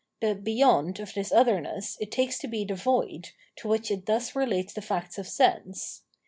The " beyond " of this otherness it takes to be the void, to which it thus relates the facts of sense.